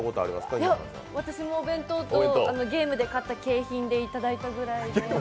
私もお弁当とゲームで勝った景品でいただいたぐらいで。